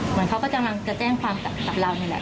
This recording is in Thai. เหมือนเขาก็กำลังจะแจ้งความกับเรานี่แหละ